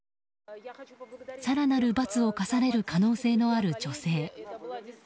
更なる罰を科される可能性のある女性。